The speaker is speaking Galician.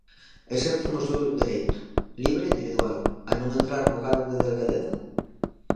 Exercen o seu dereito, libre e individual, a non entrar no canon de delgadeza?